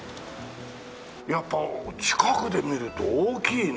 やっぱ近くで見ると大きいね。